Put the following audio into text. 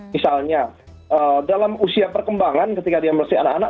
misalnya dalam usia perkembangan ketika dia meleset anak anak